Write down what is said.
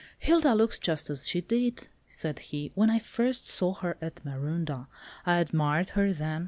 "Hilda looks just as she did," said he, "when I first saw her at Marondah. I admired her then.